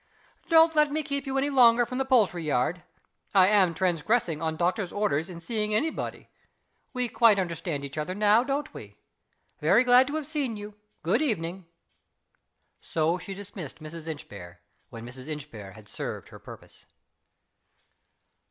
Don't let me keep you any longer from the poultry yard. I am transgressing the doctor's orders in seeing any body. We quite understand each other now, don't we? Very glad to have seen you. Good evening." So she dismissed Mrs. Inchbare, when Mrs. Inchbare had served her purpose.